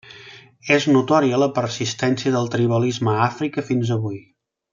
És notòria la persistència del tribalisme a Àfrica fins avui.